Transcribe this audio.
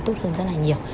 tốt hơn rất là nhiều